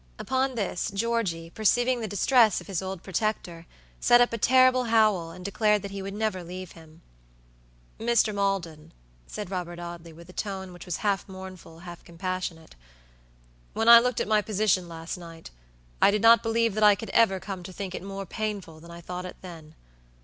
Upon this, Georgie, perceiving the distress of his old protector, set up a terrible howl, and declared that he would never leave him. "Mr. Maldon," said Robert Audley, with a tone which was half mournful, half compassionate, "when I looked at my position last night, I did not believe that I could ever come to think it more painful than I thought it then.